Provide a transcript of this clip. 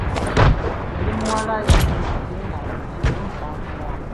Yali muwala yasoma ate nga aludde nnyo mu Kampala.